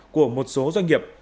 của một số doanh nghiệp